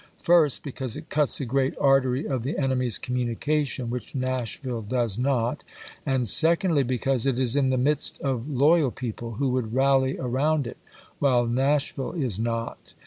First, because it cuts a great artery of the enemy's communication, which Nashville does not ; and secondly, because it is in the midst of loyal people, who would rally around it, while Nashville is not.